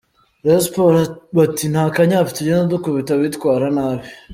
Rayon Sports bati ni akanyafu tugenda dukubita abitwara nabi.